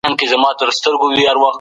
ښکاري زرکه هم په نورو پسي ولاړه